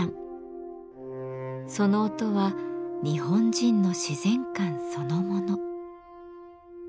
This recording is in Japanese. その音は日本人の自然観そのもの。